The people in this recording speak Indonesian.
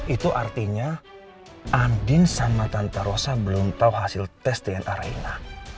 itu artinya andin sama tante rosa belum tau hasil tes dna rena